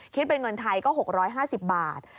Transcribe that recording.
คิดเป็นเงินไทยก็๖๕๐บาท